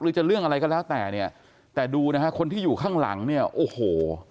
จะเรื่องอะไรก็แล้วแต่เนี่ยแต่ดูนะฮะคนที่อยู่ข้างหลังเนี่ยโอ้โห